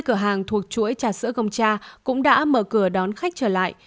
hai mươi cửa hàng thuộc chuỗi trà sữa gồng trà cũng đã mở cửa đón khách trở lại